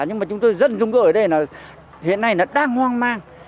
nhưng chúng tôi rất hong mong ở đây hiện nay nó đang hoang mang